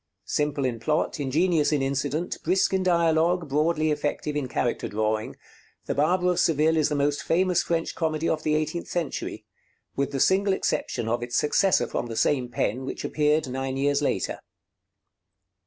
Simple in plot, ingenious in incident, brisk in dialogue, broadly effective in character drawing, 'The Barber of Seville' is the most famous French comedy of the eighteenth century, with the single exception of its successor from the same pen, which appeared nine years later.